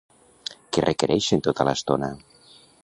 Què requereixen tota l'estona?